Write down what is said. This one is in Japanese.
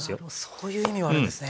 そういう意味があるんですね